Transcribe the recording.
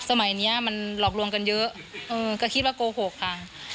สมัยนี้มันหลอกลวงกันเยอะก็คิดว่าโกหกค่ะ